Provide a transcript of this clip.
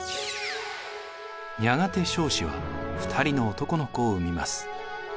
やがて彰子は２人の男の子を産みます。